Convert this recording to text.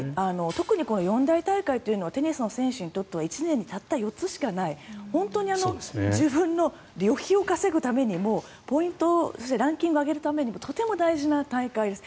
特に四大大会というのはテニスの選手にとっては１年にたった４つしかない本当に自分の旅費を稼ぐためにもポイント、ランキングを上げるためにもとても大事な大会です。